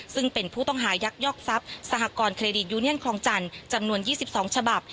ซึ่งเป็นผู้ต้องหายักยอกทรัพย์สหกรณเครดิตยูเนียนคลองจันทร์จำนวน๒๒ฉบับ